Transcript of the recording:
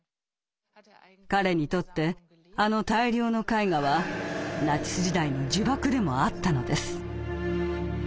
彼にとってあの大量の絵画はナチス時代の呪縛でもあったのです。